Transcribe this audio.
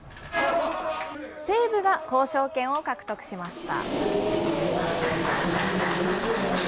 西武が交渉権を獲得しました。